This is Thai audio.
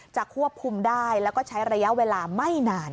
ควบคุมได้แล้วก็ใช้ระยะเวลาไม่นาน